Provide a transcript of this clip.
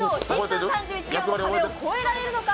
１分３１秒の壁を超えられるのか。